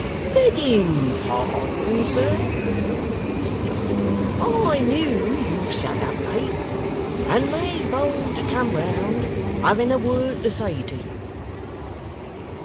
'Begging pardon, sir,' said John, 'I knew you sat up late, and made bold to come round, having a word to say to you.